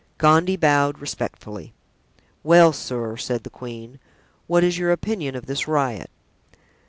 Gondy bowed respectfully. "Well, sir," said the queen, "what is your opinion of this riot?"